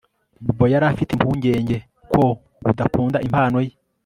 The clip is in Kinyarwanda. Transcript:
Bobo yari afite impungenge ko udakunda impano ye